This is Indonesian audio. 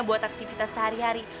dan ada aktivitas sehari hari